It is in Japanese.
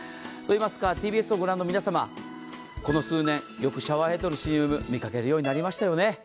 といいますか、ＴＢＳご覧の皆様、ここ数年よくシャワーヘッドのＣＭ見るようになりましたよね。